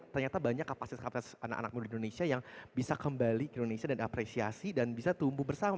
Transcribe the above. ternyata banyak kapasitas kapasitas anak anak muda indonesia yang bisa kembali ke indonesia dan apresiasi dan bisa tumbuh bersama